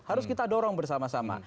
harus kita dorong bersama sama